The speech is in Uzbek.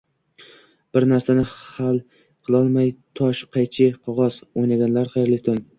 Bir narsani hal qilolmay, "Tosh, qaychi, qog'oz!" o'ynaganlar, xayrli tong!